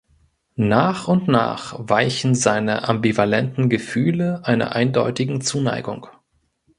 Nach und nach weichen seine ambivalenten Gefühle einer eindeutigen Zuneigung.